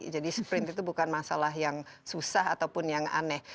jadi sprint itu bukan masalah yang susah ataupun yang aneh